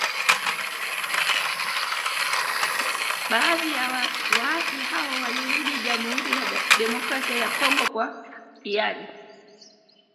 Baadhi ya waasi hao walirudi Jamuhuri ya Demokrasia ya Kongo kwa hiari